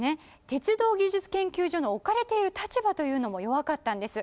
鉄道技術研究所のおかれている立場というのも弱かったんです。